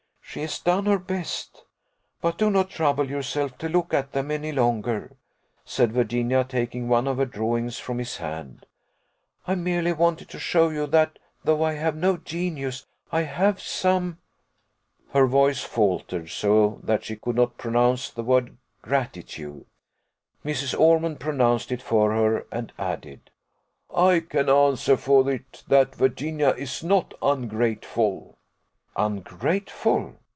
She has done her best. But do not trouble yourself to look at them any longer," said Virginia, taking one of her drawings from his hand; "I merely wanted to show you that, though I have no genius, I have some " Her voice faltered so that she could not pronounce the word gratitude. Mrs. Ormond pronounced it for her; and added, "I can answer for it, that Virginia is not ungrateful." "Ungrateful!"